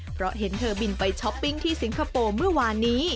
เพราะเห็นเธอบินไปช้อปปิ้งที่สิงคโปร์เมื่อวานนี้